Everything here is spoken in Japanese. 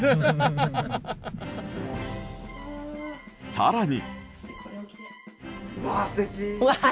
更に。